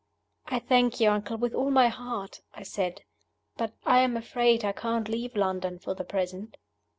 "I thank you, uncle, with all my heart," I said. "But I am afraid I can't leave London for the present."